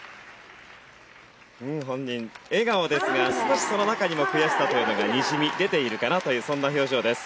うーん本人笑顔ですが少しその中にも悔しさというのがにじみ出ているかなというそんな表情です